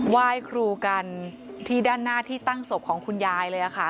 ไหว้ครูกันที่ด้านหน้าที่ตั้งศพของคุณยายเลยค่ะ